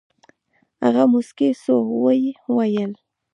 هغه موسكى سو ويې ويل.